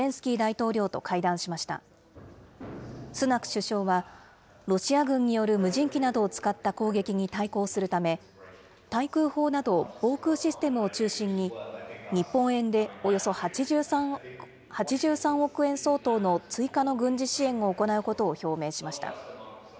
首相は、ロシア軍による無人機などを使った攻撃に対抗するため、対空砲など防空システムを中心に、日本円でおよそ８３億円相当の追加の軍事支援を行うことを表明しました。